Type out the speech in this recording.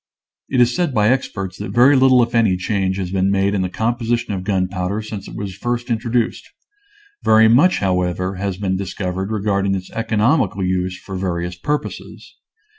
It is said by experts that very little if any change has been made in the composition of gunpowder since it was first introduced. Very much, however, has been discovered regarding its economical use for various purposes.